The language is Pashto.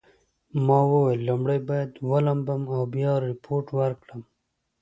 ما وویل لومړی باید ولامبم او بیا ریپورټ ورکړم.